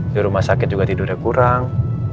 di rumah sakit juga tidurnya kurang